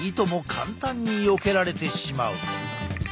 簡単によけられてしまう。